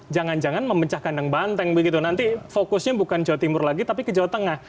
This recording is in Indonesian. jangan jangan memecah kandang banteng begitu nanti fokusnya bukan jawa timur lagi tapi ke jawa tengah